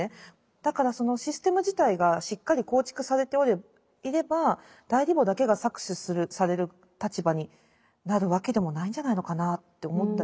だからそのシステム自体がしっかり構築されていれば代理母だけが搾取される立場になるわけでもないんじゃないのかなって思ったり。